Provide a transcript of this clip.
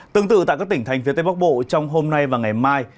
tương tự tại các tỉnh thành phía tây bắc bộ trong hôm nay và ngày mai